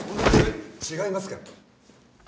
違いますから。